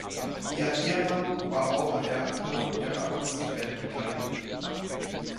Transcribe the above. Ihr Ehemann war auch an der Gründung ihrer "Acoustic Band" beteiligt.